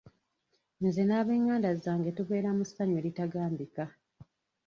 Nze n'abenganda zange tubera mu sanyu eritagambika!